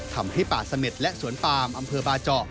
ทำให้ป่าเสม็ดและสวนปามอำเภอบาเจาะ